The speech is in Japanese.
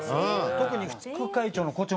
特に副会長のこちょ